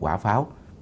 ba sáu quả pháo